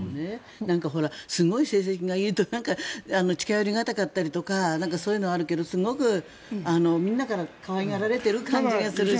すごい成績がいいと近寄り難いとかそういうのがあるけどすごく、みんなから可愛がられている感じがするし。